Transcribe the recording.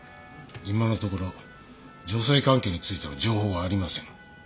今のところ女性関係についての情報はありません。